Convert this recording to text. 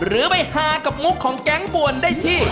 หรือไปฮากับมุกของแก๊งป่วนได้ที่